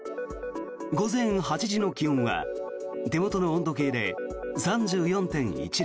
午前８時の気温は手元の温度計で３４．１度。